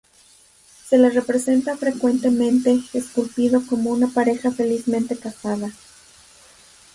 Se le representa, frecuentemente, esculpido como una pareja felizmente casada.